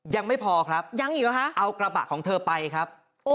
ยังไม่พอครับเอากระบะของเธอไปครับ